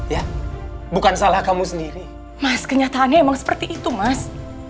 ya bukan salah kamu sendiri mas kenyataannya emang seperti itu mas